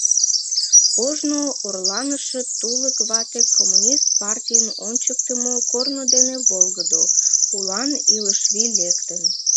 Ожно орланыше тулык вате коммунист партийын ончыктымо корно дене волгыдо, улан илышвий лектын.